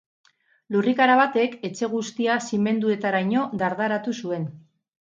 Lurrikara batek etxe guztia zimenduetaraino dardaratu zuen.